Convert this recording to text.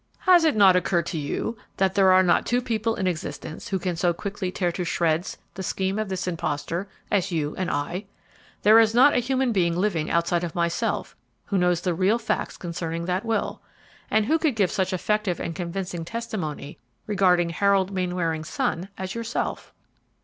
"Has it not occurred to you that there are not two people in existence who can so quickly tear to shreds the scheme of this impostor as you and I? There is not a human being living outside of myself who knows the real facts concerning that will; and who could give such effective and convincing testimony regarding Harold Mainwaring's son as yourself?"